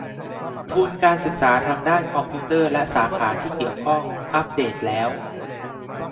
ทุนการศึกษาทางด้านคอมพิวเตอร์และสาขาที่เกี่ยวข้อง อัปเดตแล้ว